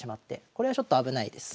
これはちょっと危ないです。